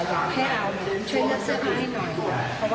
เพราะตรงนั้นน่ะเนี่ยจะมีเสื้อผ้าแผงด้วย